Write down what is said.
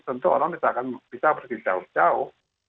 tentu orang bisa pergi jauh jauh